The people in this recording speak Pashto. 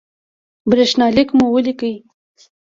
برېښنالک مو ولیکئ